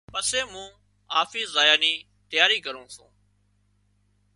پسي مُون آفيس زايا نِي تياري ڪرُون سوُن۔